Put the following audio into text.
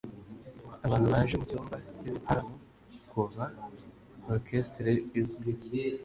abantu baje mu cyumba cy'ibitaramo kumva orchestre izwi